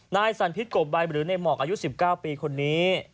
นายสันพิษกบใบหรือในหมอกอายุ๑๙ปีคนนี้